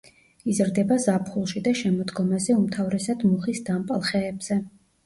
იზრდება ზაფხულში და შემოდგომაზე უმთავრესად მუხის დამპალ ხეებზე.